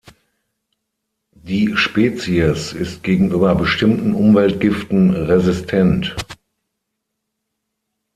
Die Spezies ist gegenüber bestimmten Umweltgiften resistent.